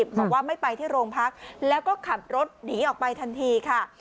บอกว่าไม่ไปที่โรงพักแล้วก็ขับรถหนีออกไปทันทีค่ะ